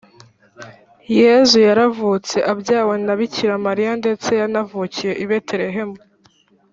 Yezu yaravutse abyawe na bikiramariya ndetse yanavukiye ibeterehemu